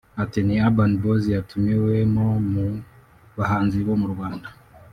Ati “Ni Urban Boyz yatumiwemo mu bahanzi bo mu Rwanda